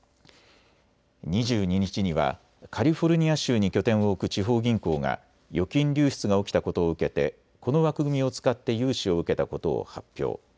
２２日にはカリフォルニア州に拠点を置く地方銀行が預金流出が起きたことを受けてこの枠組みを使って融資を受けたことを発表。